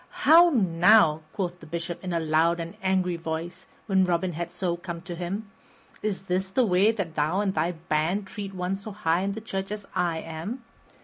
"How now," quoth the Bishop in a loud and angry voice, when Robin had so come to him, "is this the way that thou and thy band treat one so high in the church as I am?